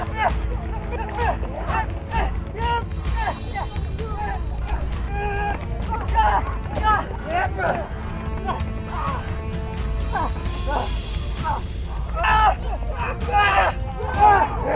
sampai jumpa lagi